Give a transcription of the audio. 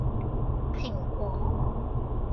蘋果